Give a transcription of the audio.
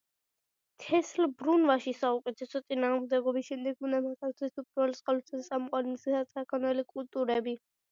თესლბრუნვაში საუკეთესო წინამორბედის შემდეგ უნდა მოთავსდეს, უპირველეს ყოვლისა, წამყვანი სასაქონლო კულტურები.